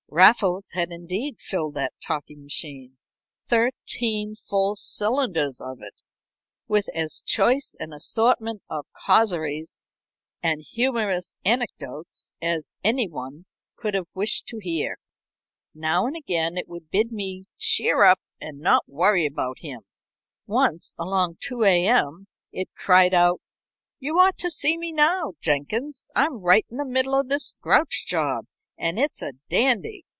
Raffles had indeed filled that talking machine thirteen full cylinders of it with as choice an assortment of causeries and humorous anecdotes as any one could have wished to hear. Now and again it would bid me cheer up and not worry about him. Once, along about 2 A.M., it cried out: "You ought to see me now, Jenkins. I'm right in the middle of this Grouch job, and it's a dandy.